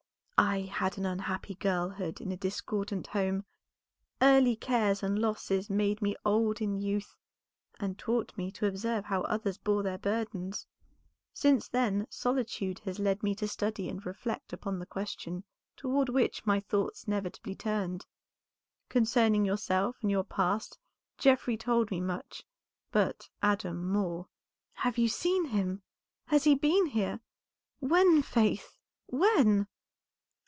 "I had an unhappy girlhood in a discordant home; early cares and losses made me old in youth, and taught me to observe how others bore their burdens. Since then solitude has led me to study and reflect upon the question toward which my thoughts inevitably turned. Concerning yourself and your past Geoffrey told me much but Adam more." "Have you seen him? Has he been here? When, Faith, when?"